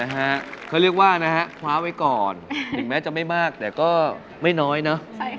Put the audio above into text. หรือแม้จะไม่มากแต่ก็ไม่น้อยหน่ะ